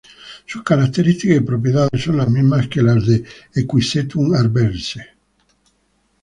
Sus características y propiedades son las mismas que las de "Equisetum arvense".